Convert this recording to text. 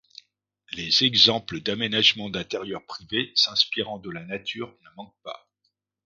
Les exemples d’aménagement d’intérieurs privés s’inspirant de la nature ne manquent pas.